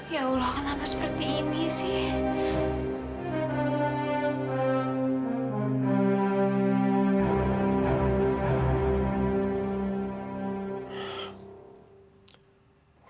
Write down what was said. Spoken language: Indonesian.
ya allah kenapa seperti ini sih